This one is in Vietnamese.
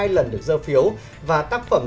hai lần được dơ phiếu và tác phẩm